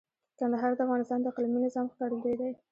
کندهار د افغانستان د اقلیمي نظام ښکارندوی دی.